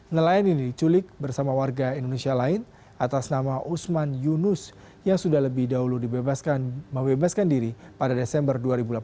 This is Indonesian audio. nelayan ini diculik bersama warga indonesia lain atas nama usman yunus yang sudah lebih dahulu dibebaskan diri pada desember dua ribu delapan belas